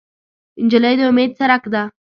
نجلۍ د امید څرک ده.